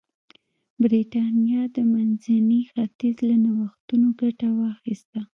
برېټانیا د منځني ختیځ له نوښتونو ګټه واخیسته.